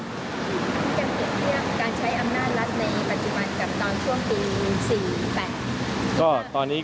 ยังเปรียบเทียบการใช้อำนาจรัฐในปัจจุบันกับตอนช่วงปี๔๘